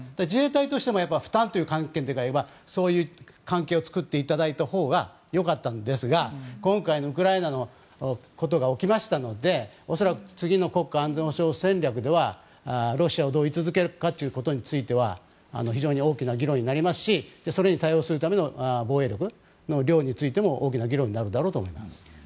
自衛隊としても負担という観点から言えばそういう関係を作っていただいたほうがよかったんですが今回のウクライナのことが起きましたので恐らく次の国家安全保障戦略ではロシアをどう位置付けるかということについては非常に大きな議論になりますしそれに対応するための防衛力の量についても大きな議論になるだろうと思いますね。